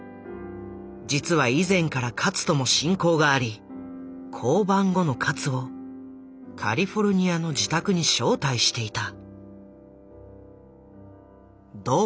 実は以前から勝とも親交があり降板後の勝をカリフォルニアの自宅に招待していた。